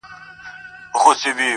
جهاني د قلم ژبه دي ګونګۍ که؛